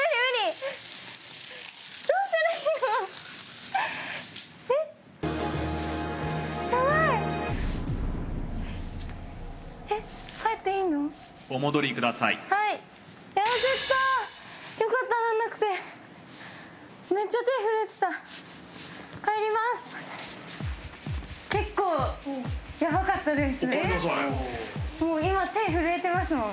もう今手震えてますもん。